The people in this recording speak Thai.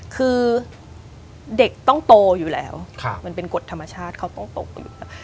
คือเด็กต้องโตอยู่แล้วมันเป็นกฎธรรมชาติเขาต้องตกอยู่แล้ว